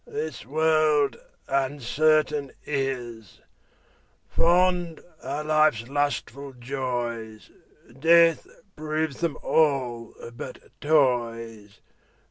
This world uncertain is: Fond are life's lustful joys, Death proves them all but toys.